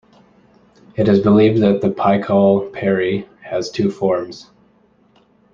It is believed that the Pichal Peri has two forms.